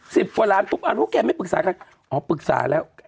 สิบกว่าล้านทุกอันตรูแกไม่ปรึกษากันอ่อปรึกษาแล้ว